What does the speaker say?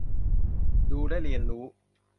ดู และ เรียนรู้